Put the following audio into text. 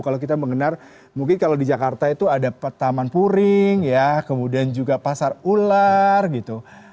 kalau kita mengenal mungkin kalau di jakarta itu ada taman puring ya kemudian juga pasar ular gitu